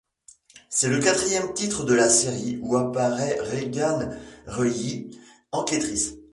C'est le quatrième titre de la série où apparaît Regan Reilly, enquêtrice.